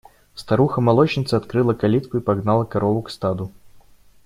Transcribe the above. Старуха молочница открыла калитку и погнала корову к стаду.